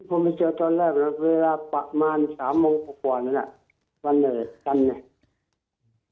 ที่ผมมาเจอตอนแรกเวลาประมาณสามโมงกว่านี้น่ะวันเหนิดกันเนี่ย